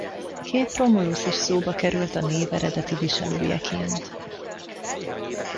Két Romulus is szóba került a név eredeti viselőjeként.